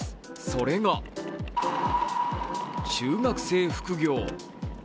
それが中学生副業。